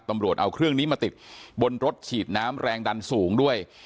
ตำรวจเอาเครื่องนี้มาติดบนรถฉีดน้ำแรงดันสูงด้วย